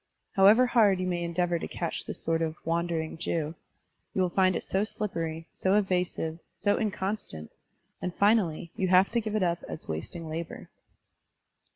However hard you may endeavor to catch this sort of "Wandering Jew,'* you will find it so slippery, so evasive, so inconstant, and finally you have to give it up as wasting labor.